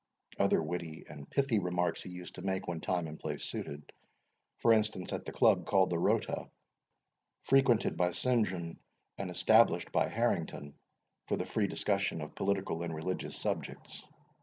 Other witty and pithy remarks he used to make when time and place suited; for instance, at the club called the Rota, frequented by St. John, and established by Harrington, for the free discussion of political and religious subjects.